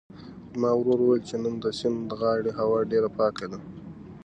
زما ورور وویل چې نن د سیند د غاړې هوا ډېره پاکه ده.